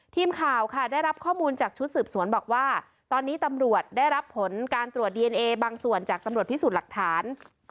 ทีมข่าวค่ะได้รับข้อมูลจากชุดสืบสวนบอกว่าตอนนี้ตำรวจได้รับผลการตรวจดีเอนเอบางส่วนจากตำรวจพิสูจน์หลักฐาน